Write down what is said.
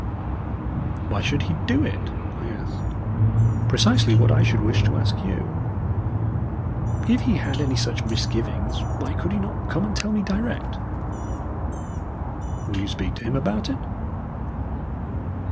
"Why should he do it?" I asked. "Precisely what I should wish to ask you. If he had any such misgivings, why could he not come and tell me direct?" "Will you speak to him about it?"